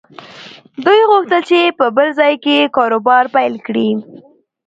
دوی غوښتل چې په بل ځای کې کاروبار پيل کړي.